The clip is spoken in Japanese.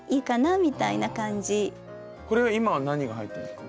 これは今は何が入ってますか？